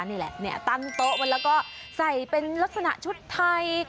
นี่แหละตั้งโต๊ะไว้แล้วก็ใส่เป็นลักษณะชุดไทย